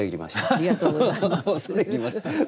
ありがとうございます。